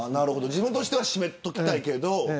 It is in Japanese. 自分としては閉めておきたいけど。